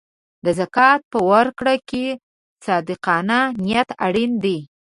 د زکات په ورکړه کې صادقانه نیت اړین دی.